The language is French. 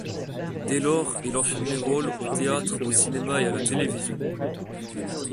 Dès lors, il enchaîne les rôles au théâtre, au cinéma et à la télévision.